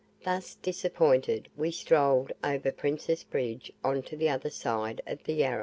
Thus disappointed, we strolled over Princes Bridge on to the other side of the Yarra.